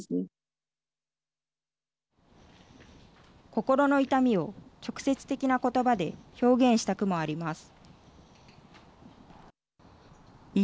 心の痛みを直接的なことばで表現した句もあります。